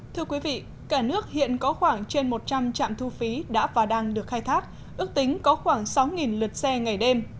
thưa quý vị cả nước hiện có khoảng trên một trăm linh trạm thu phí đã và đang được khai thác ước tính có khoảng sáu lượt xe ngày đêm